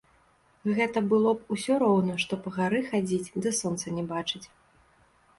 Гэта было б усё роўна, што па гары хадзіць, ды сонца не бачыць.